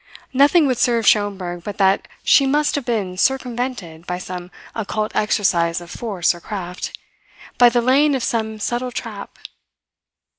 Nothing would serve Schomberg but that she must have been circumvented by some occult exercise of force or craft, by the laying of some subtle trap.